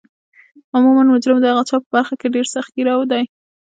عموما مجرم د هغه چا په برخه کې ډیر سخت ګیره دی